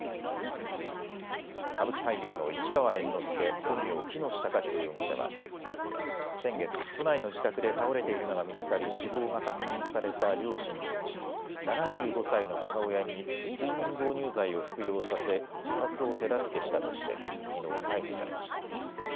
歌舞伎俳優の市川猿之助、本名・喜熨斗孝彦容疑者は先月、都内の自宅で倒れているのが見つかり死亡が確認された両親のうち７５歳の母親に睡眠導入剤を服用させ自殺を手助けしたとしてきのう逮捕されました。